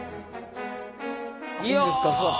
いや！